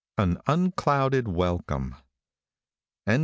AN UNCLOUDED WELCOME. |N.